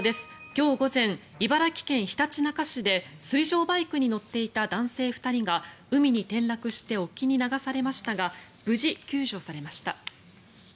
今日午前茨城県ひたちなか市で水上バイクに乗っていた男性２人が海に転落して沖に流されましたが無事、救助されました。